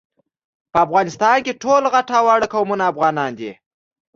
په افغانستان کي ټول غټ او واړه قومونه افغانان دي